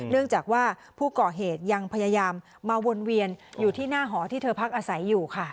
เนื่องจากว่าผู้ก่อเหตุยังพยายามมาวนเวียนอยู่ที่หน้าหอที่เธอพักอาศัยอยู่ค่ะ